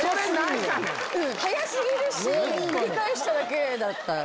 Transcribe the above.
早過ぎるし繰り返しただけだった。